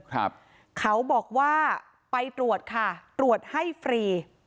เขาบอกว่าไปตรวจค่ะตรวจให้ฟรี